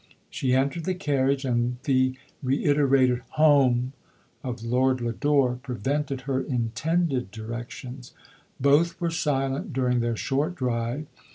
She entered the carriage, and the reiterated " Home !"" of Lord Lodore, pre vented her intended directions. Both were silent during their short drive.